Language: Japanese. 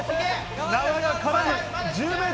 縄が絡む！